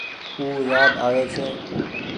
او يآد آوي ڇي۔